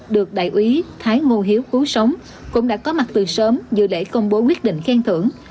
được đại úy thái ngô hiếu cứu sống cũng đã có mặt từ sớm dự lễ công bố quyết định khen thưởng